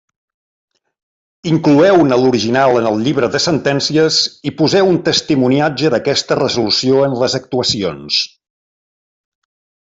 Incloeu-ne l'original en el llibre de sentències i poseu un testimoniatge d'aquesta resolució en les actuacions.